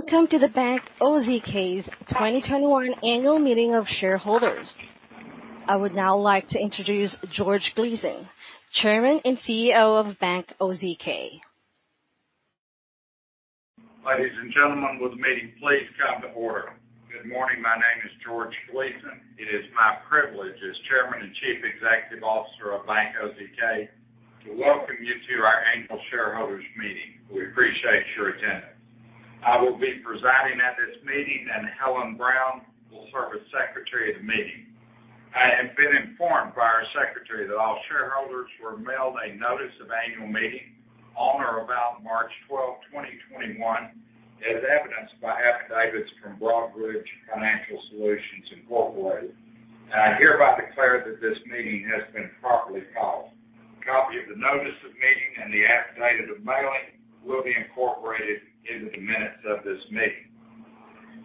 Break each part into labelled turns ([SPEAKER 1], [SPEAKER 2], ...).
[SPEAKER 1] Welcome to the Bank OZK's 2021 Annual Meeting of Shareholders. I would now like to introduce George Gleason, Chairman and CEO of Bank OZK.
[SPEAKER 2] Ladies and gentlemen, will the meeting please come to order. Good morning. My name is George Gleason. It is my privilege as Chairman and Chief Executive Officer of Bank OZK to welcome you to our annual shareholders meeting. We appreciate your attendance. I will be presiding at this meeting, and Helen Brown will serve as Secretary of the meeting. I have been informed by our Secretary that all shareholders were mailed a notice of annual meeting on or about March 12, 2021, as evidenced by affidavits from Broadridge Financial Solutions Incorporated. I hereby declare that this meeting has been properly called. A copy of the notice of meeting and the affidavit of mailing will be incorporated into the minutes of this meeting.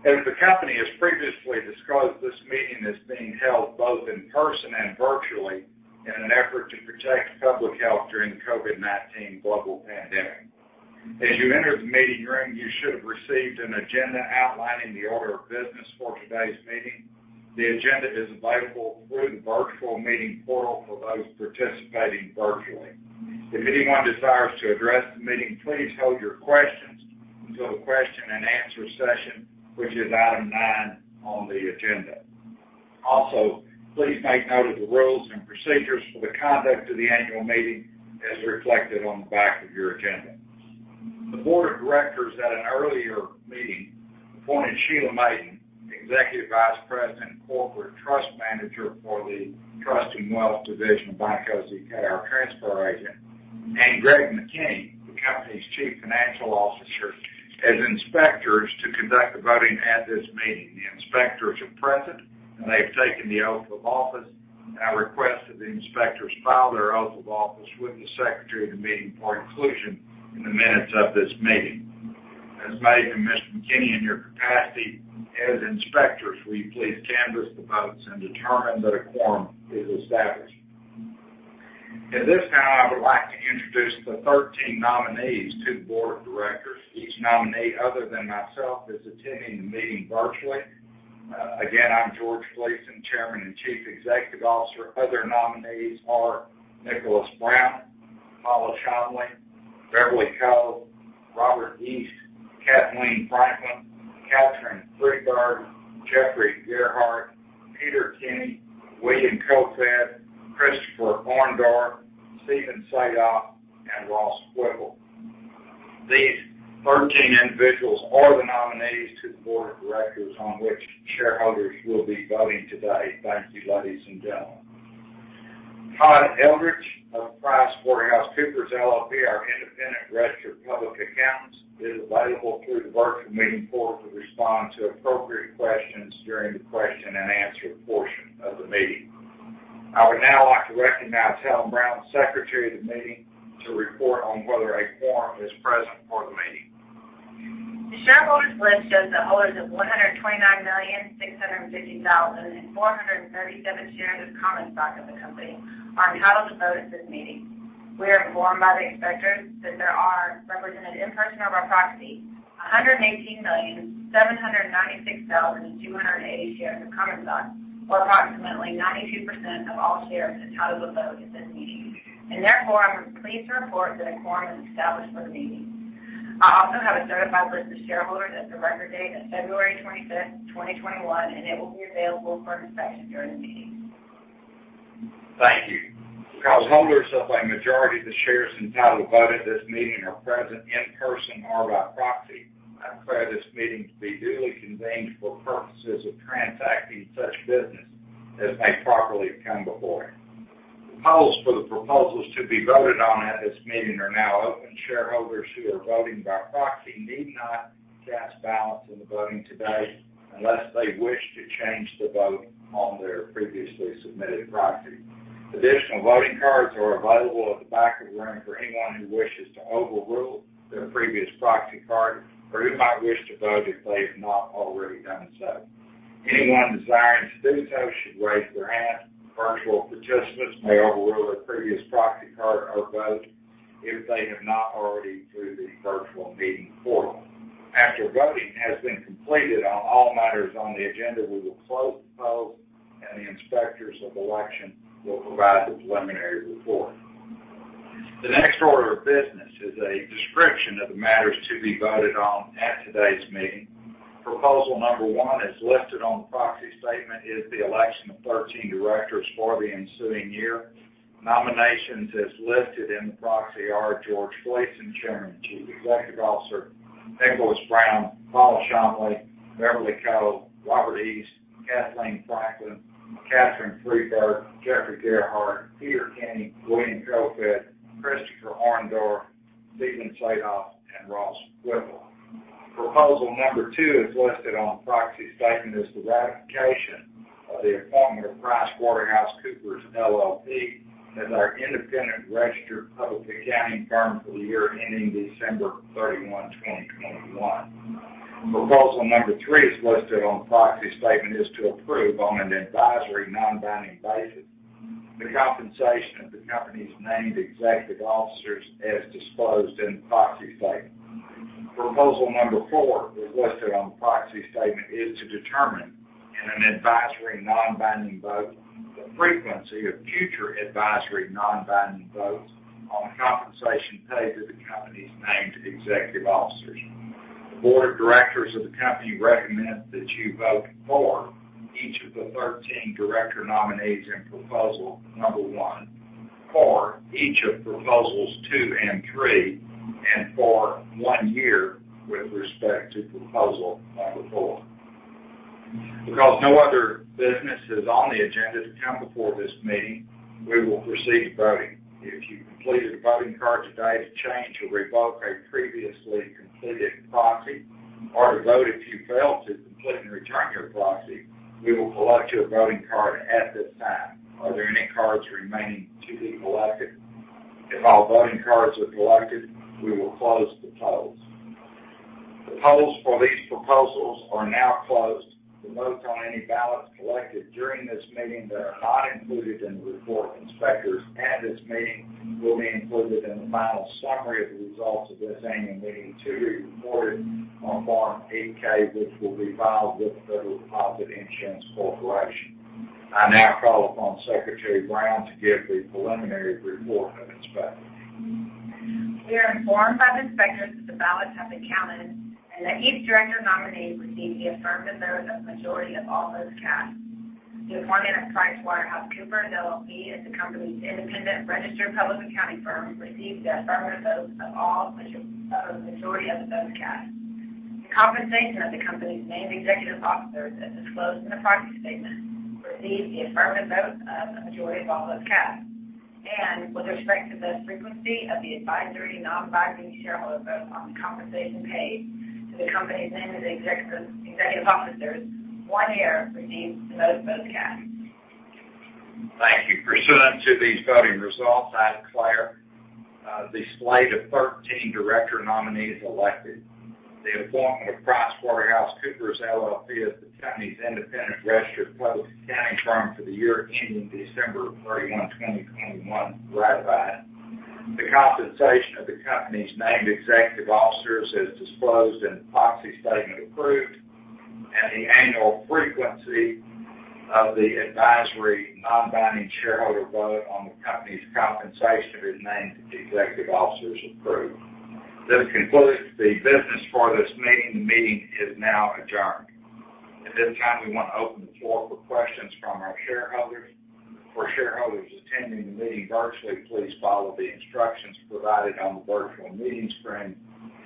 [SPEAKER 2] As the company has previously disclosed, this meeting is being held both in person and virtually in an effort to protect public health during the COVID-19 global pandemic. As you entered the meeting room, you should have received an agenda outlining the order of business for today's meeting. The agenda is available through the virtual meeting portal for those participating virtually. If anyone desires to address the meeting, please hold your questions until the question-and-answer session, which is item nine on the agenda. Also, please make note of the rules and procedures for the conduct of the annual meeting as reflected on the back of your agenda. The board of directors at an earlier meeting appointed Sheila Mayden, Executive Vice President and Corporate Trust Manager for the Trust and Wealth Division of Bank OZK, our transfer agent, and Greg McKinney, the company's Chief Financial Officer, as inspectors to conduct the voting at this meeting. The inspectors are present, and they have taken the oath of office. I request that the inspectors file their oath of office with the secretary of the meeting for inclusion in the minutes of this meeting. Ms. Mayden, Mr. McKinney, in your capacity as inspectors, will you please canvass the votes and determine that a quorum is established? At this time, I would like to introduce the 13 nominees to the board of directors. Each nominee, other than myself, is attending the meeting virtually. Again, I'm George Gleason, Chairman and Chief Executive Officer. Other nominees are Nicholas Brown, Paula Cholmondeley, Beverly Cole, Robert East, Kathleen Franklin, Catherine Freedberg, Jeffrey Gearhart, Peter Kenny, William Koefoed, Christopher Orndorff, Steven Sadoff, and Ross Whipple. These 13 individuals are the nominees to the board of directors on which shareholders will be voting today. Thank you, ladies and gentlemen. Todd Eldredge of PricewaterhouseCoopers LLP, our independent registered public accountant, is available through the virtual meeting forum to respond to appropriate questions during the question and answer portion of the meeting. I would now like to recognize Helen Brown, Secretary of the Meeting, to report on whether a quorum is present for the meeting.
[SPEAKER 3] The shareholders list shows that holders of 129,650,437 shares of common stock of the company are entitled to vote at this meeting. We are informed by the inspectors that there are represented in person or by proxy 118,796,280 shares of common stock, or approximately 92% of all shares entitled to vote at this meeting. Therefore, I am pleased to report that a quorum is established for the meeting. I also have a certified list of shareholders as of record date of February 25th, 2021, and it will be available for inspection during the meeting.
[SPEAKER 2] Thank you. Because holders of a majority of the shares entitled to vote at this meeting are present in person or by proxy, I declare this meeting to be duly convened for purposes of transacting such business as may properly come before it. The polls for the proposals to be voted on at this meeting are now open. Shareholders who are voting by proxy need not cast ballots in the voting today unless they wish to change the vote on their previously submitted proxy. Additional voting cards are available at the back of the room for anyone who wishes to overrule their previous proxy card, or who might wish to vote if they have not already done so. Anyone desiring to do so should raise their hand. Virtual participants may overrule their previous proxy card or vote if they have not already through the virtual meeting portal. After voting has been completed on all matters on the agenda, we will close the polls, and the inspectors of election will provide the preliminary report. The next order of business is a description of the matters to be voted on at today's meeting. Proposal number one, as listed on the proxy statement, is the election of 13 directors for the ensuing year. The nominations, as listed in the proxy, are George Gleason, Chairman and Chief Executive Officer, Nicholas Brown, Paula Cholmondeley, Beverly Cole, Robert East, Kathleen Franklin, Catherine Freedberg, Jeffrey Gearhart, Peter Kenny, William Koefoed, Christopher Orndorff, Steven Sadoff, and Ross Whipple. Proposal number two, as listed on the proxy statement, is the ratification of the appointment of PricewaterhouseCoopers LLP as our independent registered public accounting firm for the year ending December 31, 2021. Proposal number three, as listed on the proxy statement, is to approve on an advisory, non-binding basis. The compensation of the company's named executive officers as disclosed in the proxy statement. Proposal number four, as listed on the proxy statement, is to determine in an advisory, non-binding vote, the frequency of future advisory non-binding votes on the compensation paid to the company's named executive officers. The board of directors of the company recommend that you vote for each of the 13 director nominees in proposal number one, for each of proposals two and three, and for one year with respect to proposal number four. Because no other business is on the agenda to come before this meeting, we will proceed to voting. If you completed a voting card today to change or revoke a previously completed proxy, or to vote if you failed to complete and return your proxy, we will collect your voting card at this time. Are there any cards remaining to be collected? If all voting cards are collected, we will close the polls. The polls for these proposals are now closed. The votes on any ballots collected during this meeting that are not included in the report of inspectors at this meeting will be included in the final summary of the results of this annual meeting to be reported on Form 8-K, which will be filed with the Federal Deposit Insurance Corporation. I now call upon Secretary Brown to give the preliminary report of inspectors.
[SPEAKER 3] We are informed by the inspectors that the ballots have been counted, and that each director nominee received the affirmative vote of a majority of all votes cast. The appointment of PricewaterhouseCoopers LLP as the company's independent registered public accounting firm received the affirmative vote of a majority of the votes cast. The compensation of the company's named executive officers as disclosed in the proxy statement received the affirmative vote of a majority of all votes cast. With respect to the frequency of the advisory non-binding shareholder vote on the compensation paid to the company's named executive officers, one year received the most votes cast.
[SPEAKER 2] Thank you. Pursuant to these voting results, I declare the slate of 13 director nominees elected. The appointment of PricewaterhouseCoopers LLP as the company's independent registered public accounting firm for the year ending December 31, 2021, ratified. The compensation of the company's named executive officers as disclosed in the proxy statement, approved. The annual frequency of the advisory non-binding shareholder vote on the company's compensation to its named executive officers, approved. This concludes the business for this meeting. The meeting is now adjourned. At this time, we want to open the floor for questions from our shareholders. For shareholders attending the meeting virtually, please follow the instructions provided on the virtual meeting screen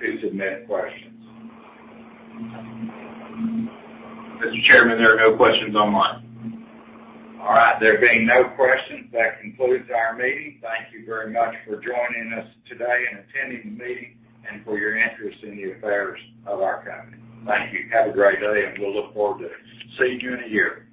[SPEAKER 2] to submit questions. Mr. Chairman, there are no questions online. All right. There being no questions, that concludes our meeting. Thank you very much for joining us today and attending the meeting, and for your interest in the affairs of our company. Thank you. Have a great day, and we'll look forward to seeing you in a year.